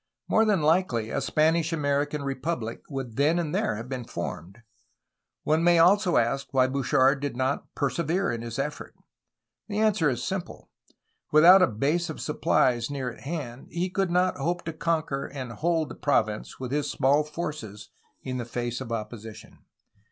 More than likely a Spanish American repubUc would then and there have been formed. One may also ask why Bouchard did not persevere in his effort. The answer is simple. Without a base of supplies near at hand, he could not hope to conquer and hold the province with his small forces in the face of opposition.